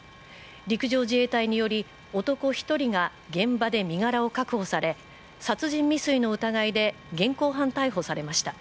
陸上自衛隊により、男１人が現場で身柄を確保され、殺人未遂の疑いで現行犯逮捕されました。